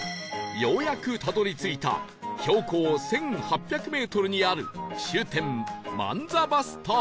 ようやくたどり着いた標高１８００メートルにある終点万座バスターミナル